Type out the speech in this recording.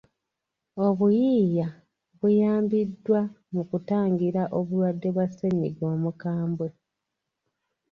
Obuyiiya buyambiddwa mu kutangira obulwadde bwa ssennyiga omukambwe.